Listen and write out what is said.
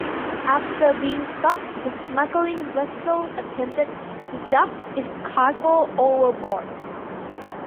After being stopped the smuggling vessel attempted to dump its cargo overboard.